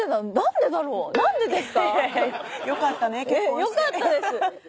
よかったです。